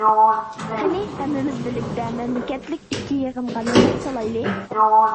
قېنى، ھەممىمىز بىرلىكتە مەملىكەتلىك ئىككى يىغىنغا نەزەر سالايلى!